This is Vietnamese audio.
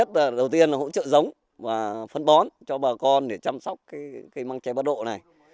đầu tiên là hỗ trợ giống và phân bón cho bà con để chăm sóc măng trái bắt độ này